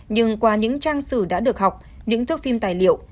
nhưng qua những trang sử đã được học những thước phim tài liệu